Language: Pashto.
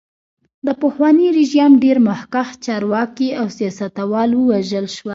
د پخواني رژیم ډېر مخکښ چارواکي او سیاستوال ووژل شول.